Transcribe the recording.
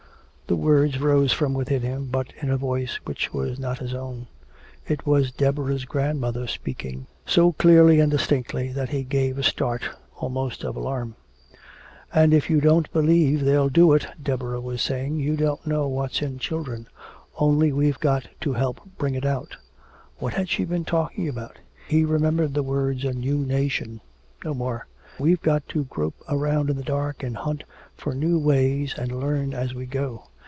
The words rose from within him, but in a voice which was not his own. It was Deborah's grandmother speaking, so clearly and distinctly that he gave a start almost of alarm. "And if you don't believe they'll do it," Deborah was saying, "you don't know what's in children. Only we've got to help bring it out." What had she been talking about? He remembered the words "a new nation" no more. "We've got to grope around in the dark and hunt for new ways and learn as we go.